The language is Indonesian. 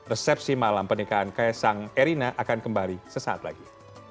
resepsi malam pernikahan kaisang erina akan kembali sesaat lagi